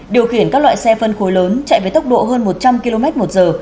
điều khiển các loại xe phân khối lớn chạy với tốc độ hơn một trăm linh km một giờ